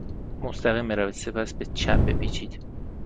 مستقیم بروید. سپس به چپ بپیچید.